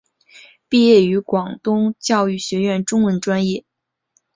毕业于广东教育学院中文专业。